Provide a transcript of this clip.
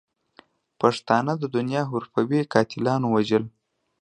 پښتانه د دنیا حرفوي قاتلاتو وژل.